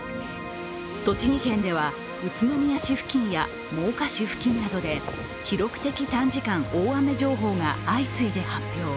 栃木県では、宇都宮市付近や真岡市付近などで記録的短時間大雨情報が相次いで発表。